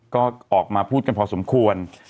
ก็ออกมาพูดกันพอสมควร